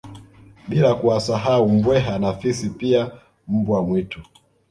Bila kuwasahau Mbweha na Fisi pia Mbwa mwitu